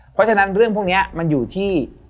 เพราะฉะนั้นเรื่องพวกนี้มันอยู่ที่